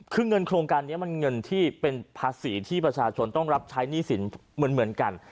คือเงินโครงการนี้มันเงินที่เป็นภาษีที่ประชาชนต้องรับใช้หนี้สินเหมือนกัน